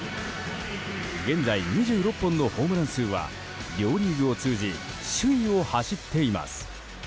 現在２６本のホームラン数は両リーグを通じ首位を走っています。